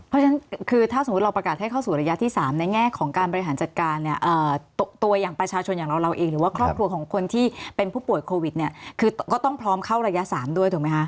เพราะฉะนั้นคือถ้าสมมุติเราประกาศให้เข้าสู่ระยะที่๓ในแง่ของการบริหารจัดการเนี่ยตัวอย่างประชาชนอย่างเราเองหรือว่าครอบครัวของคนที่เป็นผู้ป่วยโควิดเนี่ยคือก็ต้องพร้อมเข้าระยะ๓ด้วยถูกไหมคะ